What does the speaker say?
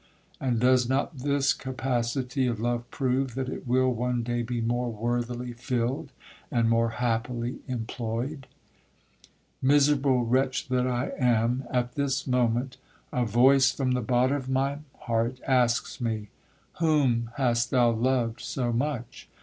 And does not this capacity of love prove that it will one day be more worthily filled, and more happily employed. 'Miserable wretch that I am! At this moment, a voice from the bottom of my heart asks me 'Whom hast thou loved so much?